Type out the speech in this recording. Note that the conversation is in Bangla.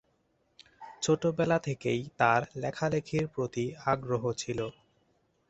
ছোটবেলা থেকেই তার লেখালেখির প্রতি আগ্রহ ছিল।